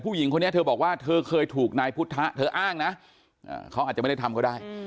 ผู้หญิงคนนี้เธอบอกว่าเธอเคยถูกนายพุทธะเธออ้างนะเขาอาจจะไม่ได้ทำก็ได้